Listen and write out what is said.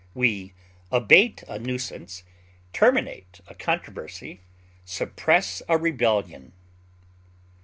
We abate a nuisance, terminate a controversy, suppress a rebellion.